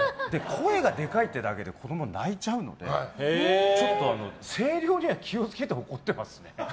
声がでかいってだけで子供は泣いちゃうので声量には気を付けて怒ってますね。